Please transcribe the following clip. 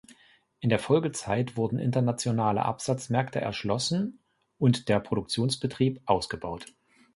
In der Folgezeit wurden internationale Absatzmärkte erschlossen und der Produktionsbetrieb ausgebaut.